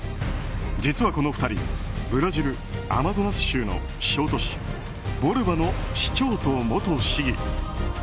実はこの２人ブラジル・アマゾナス州の小都市ボルバの市長と元市議。